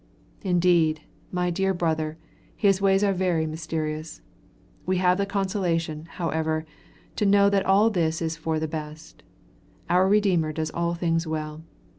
Indeed, my dear brother, His ways are very mysterious. We have the consolation, however, to know that all is for the best. Our Redeemer does all things well.